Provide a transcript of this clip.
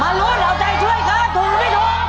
มารวมเราใจช่วยค่ะถูกหรือไม่ถูก